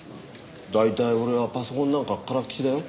大体俺はパソコンなんかからっきしだよ。